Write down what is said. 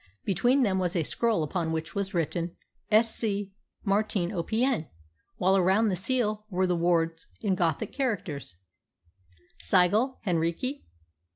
Between them was a scroll upon which was written: "Sc. Martine O.P.N.," while around the seal were the words in Gothic characters: + SIGIL . HEINRICHI